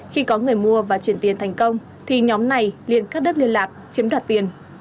khi có người mua và chuyển tiền thành công thì nhóm này liên cắt đất liên lạc chiếm đoạt tiền